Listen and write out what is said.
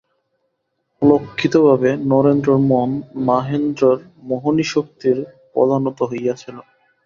অলক্ষিতভাবে নরেন্দ্রের মন মহেন্দ্রের মোহিনীশক্তির পদানত হইয়াছিল।